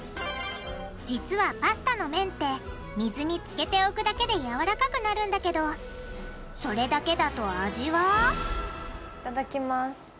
実はパスタの麺って水につけておくだけでやわらかくなるんだけどそれだけだと味はいただきます。